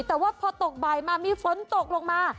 แต่ว่าพอตกบ่ายมามีฝนตกลงมา